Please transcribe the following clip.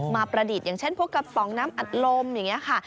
ประดิษฐ์อย่างเช่นพวกกระป๋องน้ำอัดลมอย่างนี้ค่ะ